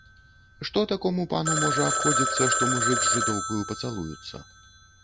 Што такому пану можа абходзіцца, што мужык з жыдоўкаю пацалуюцца?